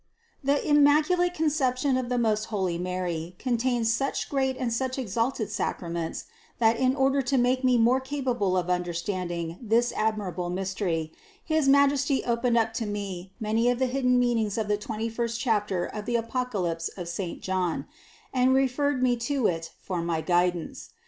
The Immaculate Conception of the most holy Mary contains such great and such exalted sacraments that in order to make me more capable of understand ing this admirable mystery, his Majesty opened up to me many of the hidden meanings of the twenty first chapter of the Apocalypse of St. John and referred me to it for my guidance.